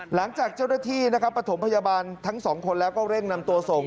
หลังจากเจ้าหน้าที่นะครับประถมพยาบาลทั้งสองคนแล้วก็เร่งนำตัวส่ง